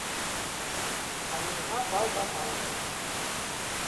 Ауыҙыңа бал да май.